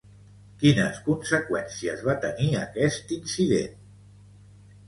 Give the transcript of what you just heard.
Quines conseqüències va tenir aquest incident?